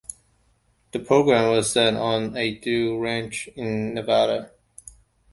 The program was set on a dude ranch in Nevada.